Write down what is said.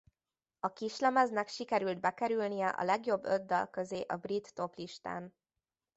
A kislemeznek sikerült bekerülnie a legjobb öt dal közé a brit toplistán.